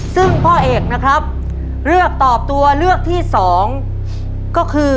ซึ่งพ่อเอกนะครับเลือกตอบตัวเลือกที่สองก็คือ